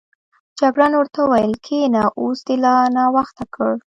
جګړن ورته وویل کېنه، اوس دې لا ناوخته کړ.